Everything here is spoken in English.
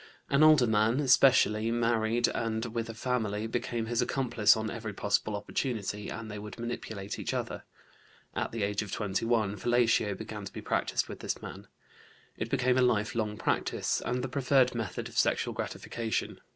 An older man, especially, married and with a family, became his accomplice on every possible opportunity, and they would manipulate each other. At the age of 21, fellatio began to be practised with this man. It became a lifelong practice, and the preferred method of sexual gratification.